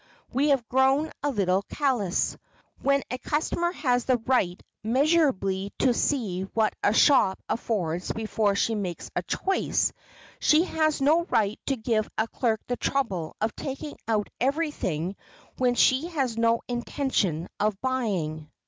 we have grown a little callous. While a customer has the right measurably to see what a shop affords before she makes her choice, she has no right to give a clerk the trouble of taking out everything when she has no intention of buying.